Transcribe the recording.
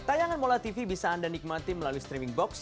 tayangan mola tv bisa anda nikmati melalui streaming box